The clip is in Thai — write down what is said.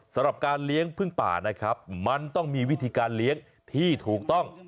สำหรับการเลี้ยงพึ่งป่านะครับมันต้องมีวิธีการเลี้ยงที่ถูกต้อง